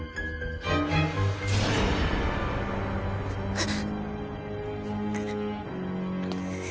あっ。